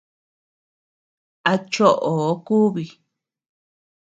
A chóʼoo kubii.